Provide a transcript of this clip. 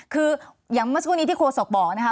คืออย่างเมื่อสักครู่นี้ที่โฆษกบอกนะคะ